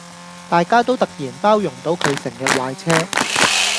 大家都突然包容到佢成日壞車